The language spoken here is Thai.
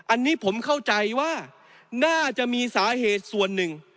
อันนี้ผมเข้าใจว่าน่าจะมีสาเหตุส่วนหนึ่ง